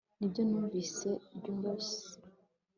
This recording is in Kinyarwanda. nibyo numvise ryose